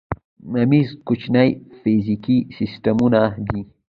میمز کوچني فزیکي سیسټمونه دي.